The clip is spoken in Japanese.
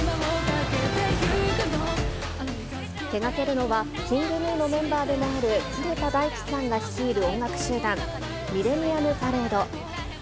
手がけるのは、ＫｉｎｇＧｎｕのメンバーでもある常田大希さんが率いる音楽集団、ｍｉｌｌｅｎｎｉｕｍｐａｒａｄｅ。